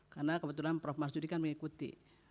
karena kebetulan prof marsudi kan mengikuti